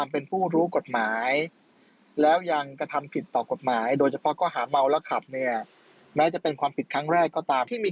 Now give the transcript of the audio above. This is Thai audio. เป็นเรื่องของคนขับรถชนท้ายกันทีนี้